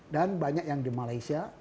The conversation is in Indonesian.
dan banyak yang di malaysia